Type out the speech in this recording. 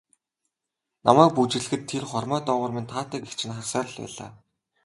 Намайг бүжиглэхэд тэр хормой доогуур минь таатай гэгч нь харсаар л байлаа.